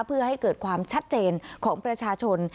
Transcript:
เพื่อให้เกิดความชัดเจนของประชาชน